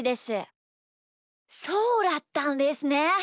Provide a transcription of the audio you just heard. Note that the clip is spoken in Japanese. そうだったんですね。